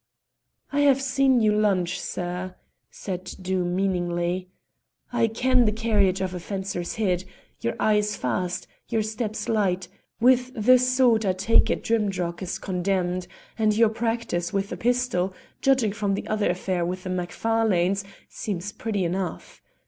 "I have seen you lunge, sir," said Doom meaningly; "I ken the carriage of a fencer's head; your eye's fast, your step's light; with the sword I take it Drimdarroch is condemned, and your practice with the pistol, judging from the affair with the Macfarlanes, seems pretty enough.